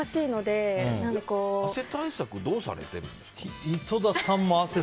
汗対策どうされてるんですか？